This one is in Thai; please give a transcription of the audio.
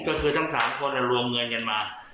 ก็คือทั้ง๓คนรวมเงินกันมา